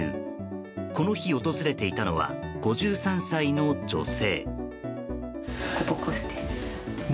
この日、訪れていたのは５３歳の女性。